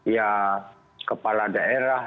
ya kepala daerah